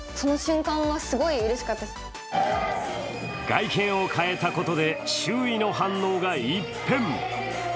外見を変えたことで周囲の反応が一変。